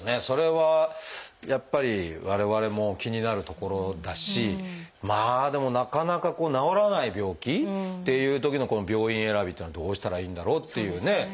それはやっぱり我々も気になるところだしまあでもなかなか治らない病気っていうときの病院選びっていうのはどうしたらいいんだろうっていうね。